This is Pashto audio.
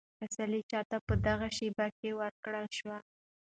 تسلي چا ته په دغه شېبه کې ورکړل شوه؟